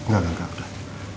gak gak gak